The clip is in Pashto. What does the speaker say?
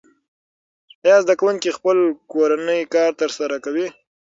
آیا زده کوونکي خپل کورنی کار ترسره کوي؟